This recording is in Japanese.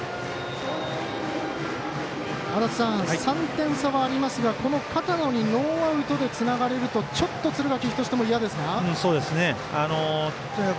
３点差はありますがこの片野にノーアウトでつながれるとちょっと敦賀気比としても嫌ですか？